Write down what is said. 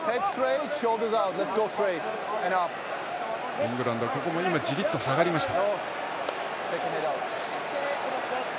イングランドじりっと下がりました。